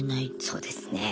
そうですね。